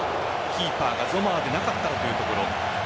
キーパーがゾマーでなかったらというところ。